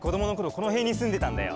このへんにすんでたんだよ。